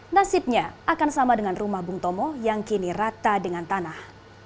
nasibnya akan sama dengan rumah bung tomo yang kini rata dengan tanah